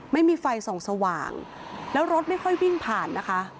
ไม่มีไฟส่องสว่างแล้วรถไม่ค่อยวิ่งผ่านนะคะ